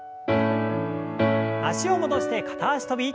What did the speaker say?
脚を戻して片脚跳び。